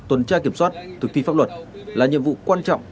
tuần tra kiểm soát thực thi pháp luật là nhiệm vụ quan trọng